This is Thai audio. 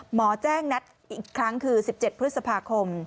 หมอแจ้งนัดอีกครั้งคือ๑๗พฤษภาคม